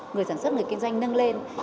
người sản xuất người kinh doanh nâng lên